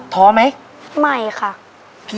ท้อไหมไม่ค่ะ